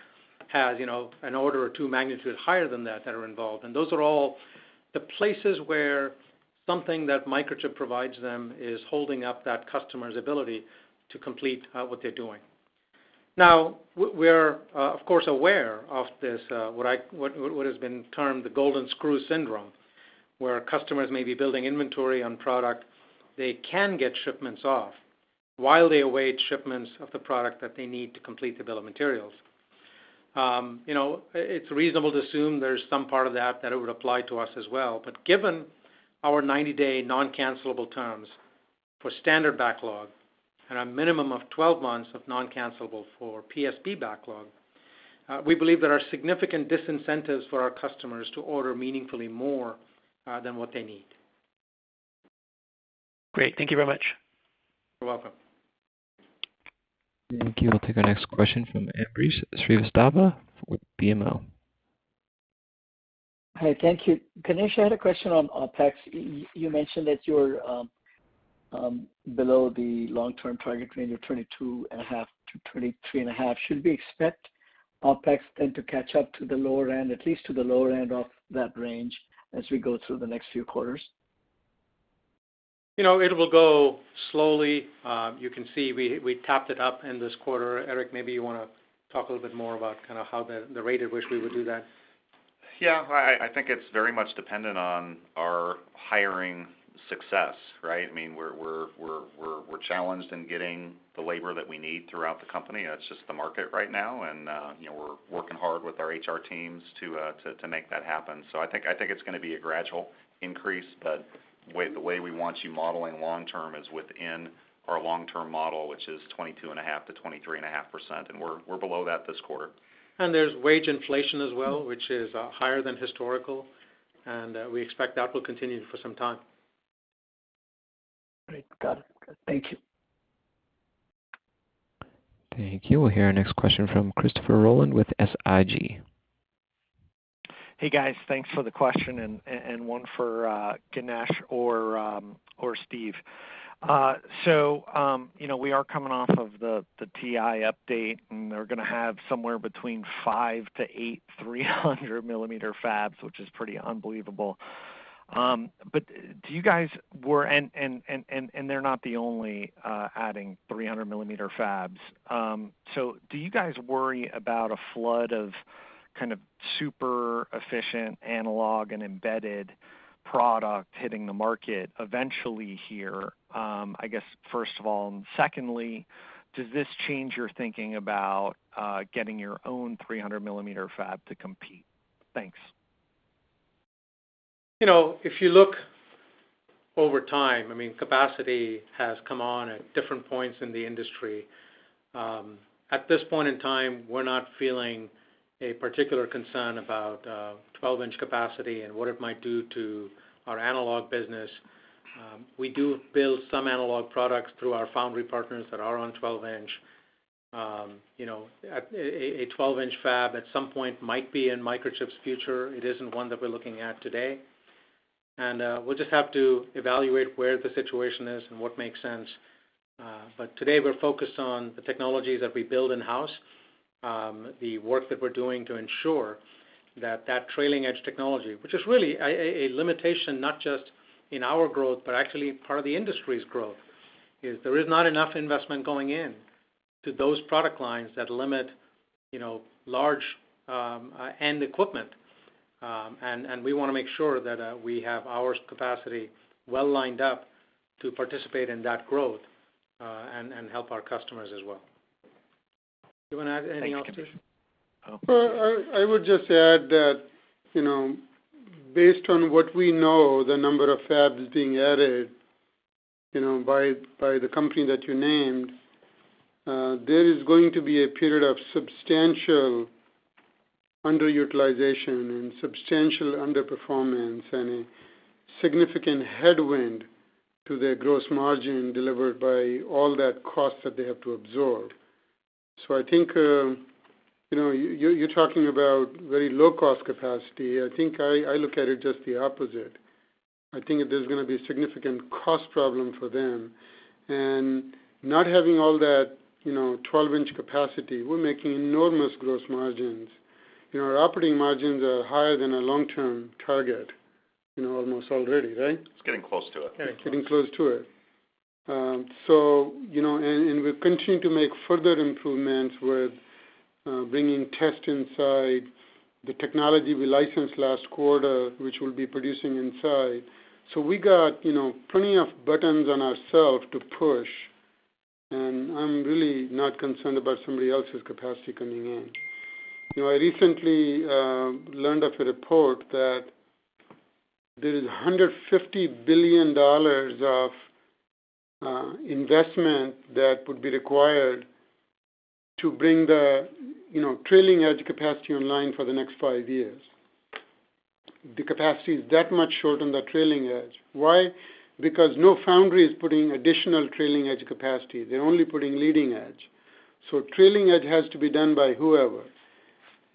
has, an order or two magnitudes higher than that are involved. Those are all the places where something that Microchip provides them is holding up that customer's ability to complete what they're doing. Now, we're, of course, aware of this, what has been termed the golden screw syndrome, where customers may be building inventory on product they can get shipments of while they await shipments of the product that they need to complete the bill of materials. It's reasonable to assume there's some part of that that it would apply to us as well. Given our 90-day non-cancelable terms for standard backlog and a minimum of 12 months of non-cancelable for PSP backlog, we believe there are significant disincentives for our customers to order meaningfully more than what they need. Great. Thank you very much. You're welcome. Thank you. We'll take our next question from Ambrish Srivastava with BMO. Hi. Thank you. Ganesh, I had a question on tax. You mentioned that you're below the long-term target range of 22.5%-23.5%. Should we expect OpEx then to catch up to the lower end, at least to the lower end of that range as we go through the next few quarters? It will go slowly. You can see we topped it up in this quarter. Eric, maybe you want to talk a little bit more about how the rate at which we would do that. Yes. I think it's very much dependent on our hiring success. We're challenged in getting the labor that we need throughout the company. That's just the market right now. We're working hard with our HR teams to make that happen. I think it's going to be a gradual increase, but the way we want you modeling long term is within our long-term model, which is 22.5%-23.5%, and we're below that this quarter. There's wage inflation as well, which is higher than historical, and we expect that will continue for some time. Great. Got it. Thank you. Thank you. We'll hear our next question from Christopher Rolland with SIG. Hey, guys. Thanks for the question and one for Ganesh or Steve. We are coming off of the TI update, and they're going to have somewhere between 5-8 300-millimeter fabs, which is pretty unbelievable. But do you guys worry about a flood of super efficient analog and embedded product hitting the market eventually here, I guess, first of all? They're not the only adding 300-millimeter fabs. Secondly, does this change your thinking about getting your own 300-millimeter fab to compete? Thanks. If you look over time, capacity has come on at different points in the industry. At this point in time, we're not feeling a particular concern about 12-inch capacity and what it might do to our analog business. We do build some analog products through our foundry partners that are on 12-inch. A 12-inch fab at some point might be in Microchip's future. It isn't one that we're looking at today. We'll just have to evaluate where the situation is and what makes sense. Today we're focused on the technologies that we build in-house, the work that we're doing to ensure that trailing edge technology, which is really a limitation not just in our growth, but actually part of the industry's growth, is not enough investment going in to those product lines that limit, large end equipment. We want to make sure that we have our capacity well lined up to participate in that growth and help our customers as well. Do you want to add anything else to? Thank you. Well, I would just add that, based on what we know, the number of fabs being added, by the company that you named, there is going to be a period of substantial underutilization and substantial underperformance and a significant headwind to their gross margin delivered by all that cost that they have to absorb. I think, you're talking about very low-cost capacity. I think I look at it just the opposite. I think there's going to be significant cost problem for them. Not having all that, 12-inch capacity, we're making enormous gross margins. our operating margins are higher than our long-term target, almost already, right? It's getting close to it. It's getting close to it. We're continuing to make further improvements with bringing test inside the technology we licensed last quarter, which we'll be producing inside. We got plenty of buttons on ourselves to push, and I'm really not concerned about somebody else's capacity coming in. I recently learned of a report that there is $150 billion of investment that would be required to bring the trailing edge capacity online for the next five years. The capacity is that much short on the trailing edge. Why? Because no foundry is putting additional trailing edge capacity. They're only putting leading edge. Trailing edge has to be done by whoever.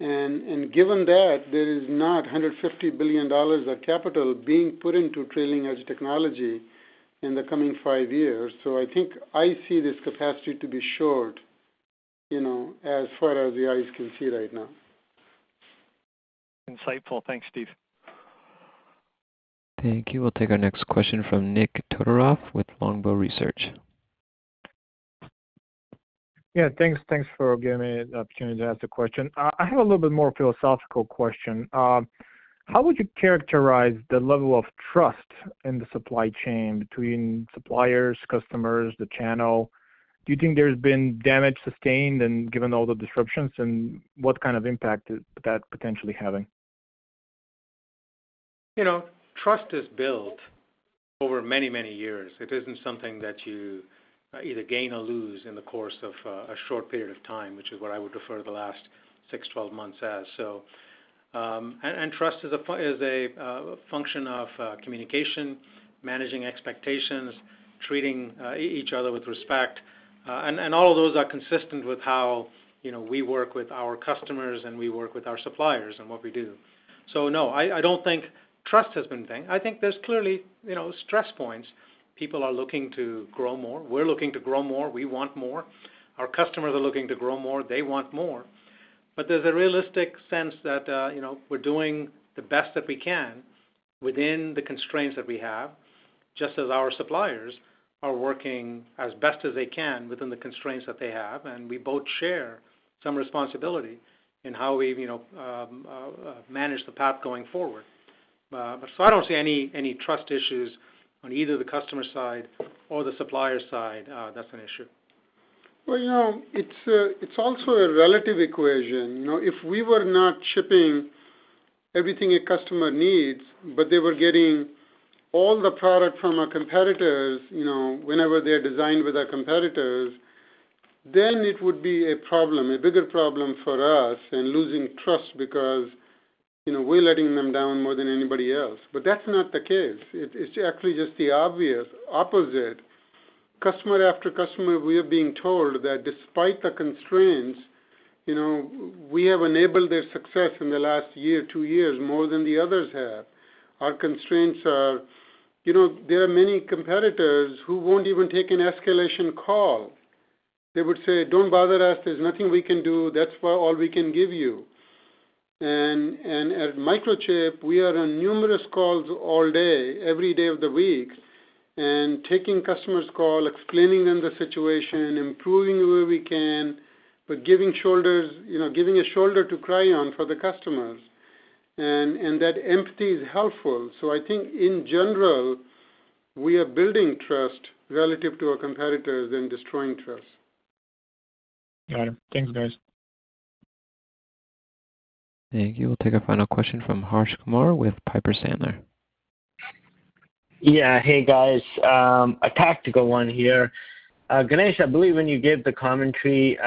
Given that, there is not $150 billion of capital being put into trailing edge technology in the coming 5 years. I think I see this capacity to be short, as far as the eyes can see right now. Insightful. Thanks, Steve. Thank you. We'll take our next question from Nikolay Todorov with Longbow Research. Thanks for giving me the opportunity to ask the question. I have a little bit more philosophical question. How would you characterize the level of trust in the supply chain between suppliers, customers, the channel? Do you think there's been damage sustained and given all the disruptions, and what impact is that potentially having? Trust is built over many, many years. It isn't something that you either gain or lose in the course of a short period of time, which is what I would refer to the last 6, 12 months. Trust is a function of communication, managing expectations, treating each other with respect. All of those are consistent with how, we work with our customers and we work with our suppliers in what we do. No, I don't think trust has been a thing. I think there's clearly, stress points. People are looking to grow more. We're looking to grow more. We want more. Our customers are looking to grow more. They want more. There's a realistic sense that we're doing the best that we can within the constraints that we have, just as our suppliers are working as best as they can within the constraints that they have. We both share some responsibility in how we manage the path going forward. I don't see any trust issues on either the customer side or the supplier side, that's an issue. Well, it's also a relative equation. If we were not shipping everything a customer needs, but they were getting all the product from our competitors, whenever they're designed with our competitors, then it would be a bigger problem for us in losing trust because, we're letting them down more than anybody else. But that's not the case. It's actually just the obvious opposite. Customer after customer, we are being told that despite the constraints, we have enabled their success in the last year, two years, more than the others have. Our constraints are. There are many competitors who won't even take an escalation call. They would say, "Don't bother us. There's nothing we can do. That's all we can give you." At Microchip, we are on numerous calls all day, every day of the week, and taking customers' calls, explaining to them the situation, improving where we can, but giving shoulders, giving a shoulder to cry on for the customers. That empathy is helpful. I think in general, we are building trust relative to our competitors rather than destroying trust. Got it. Thanks, guys. Thank you. We'll take a final question from Harsh Kumar with Piper Sandler. Hey, guys. A tactical one here. Ganesh, I believe when you gave the commentary,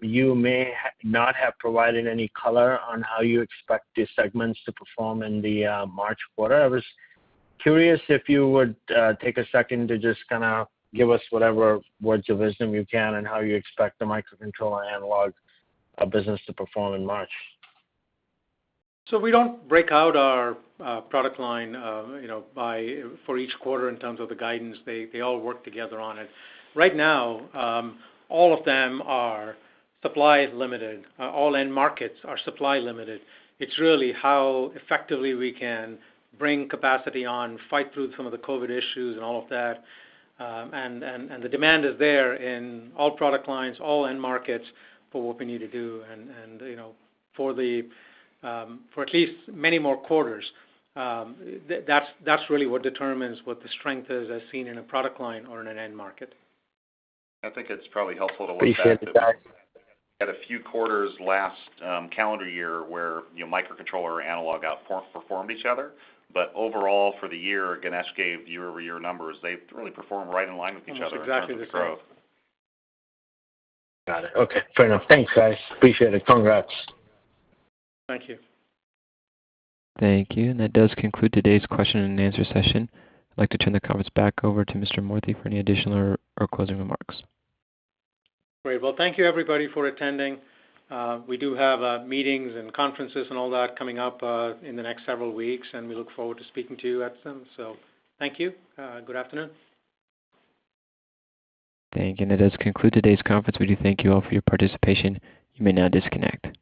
you may not have provided any color on how you expect the segments to perform in the March quarter. I was curious if you would take a second to just give us whatever words of wisdom you can and how you expect the microcontroller analog business to perform in March. We don't break out our product line for each quarter in terms of the guidance. They all work together on it. Right now, all of them are supply limited. All end markets are supply limited. It's really how effectively we can bring capacity on, fight through some of the COVID issues and all of that. The demand is there in all product lines, all end markets for what we need to do and for at least many more quarters. That's really what determines what the strength is as seen in a product line or in an end market. I think it's probably helpful to way back to- Appreciate it, guys. We had a few quarters last calendar year where, microcontroller analog outperformed each other, but overall for the year, Ganesh gave year-over-year numbers, they've really performed right in line with each other in terms of growth. Almost exactly the same. Got it. Okay, fair enough. Thanks, guys. Appreciate it. Congrats. Thank you. Thank you. That does conclude today's question and answer session. I'd like to turn the conference back over to Mr. Moorthy for any additional or closing remarks. Great. Well, thank you everybody for attending. We do have meetings and conferences and all that coming up in the next several weeks, and we look forward to speaking to you at some. Thank you. Good afternoon. Thank you. That does conclude today's conference. We do thank you all for your participation. You may now disconnect.